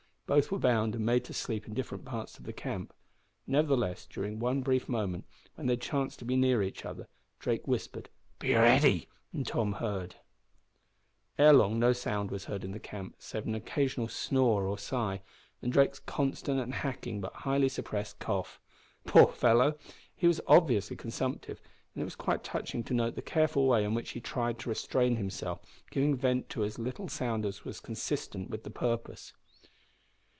Both were bound and made to sleep in different parts of the camp. Nevertheless, during one brief moment, when they chanced to be near each other, Drake whispered, "Be ready!" and Tom heard him. Ere long no sound was heard in the camp save an occasional snore or sigh, and Drake's constant and hacking, but highly suppressed, cough. Poor fellow! He was obviously consumptive, and it was quite touching to note the careful way in which he tried to restrain himself, giving vent to as little sound as was consistent with his purpose.